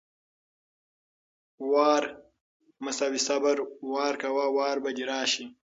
وار=صبر، وار کوه وار به دې راشي!